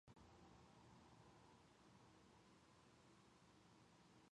The Commission believes that without these reforms, "American power and influence cannot be sustained".